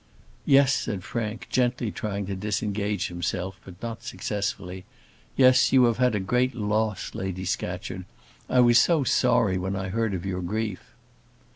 "Yes," said Frank, gently trying to disengage himself, but not successfully; "yes, you have had a great loss, Lady Scatcherd. I was so sorry when I heard of your grief."